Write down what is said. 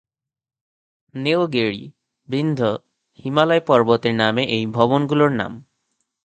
নীলগিরি, বিন্ধ্য, হিমালয় পর্বতের নামে এই ভবনগুলোর নাম।